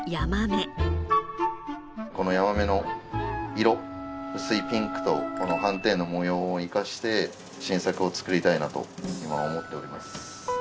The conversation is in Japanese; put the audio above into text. このヤマメの色薄いピンクとこの斑点の模様を生かして新作を作りたいなと今思っております。